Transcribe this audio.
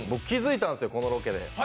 気付いたんです、このロケで。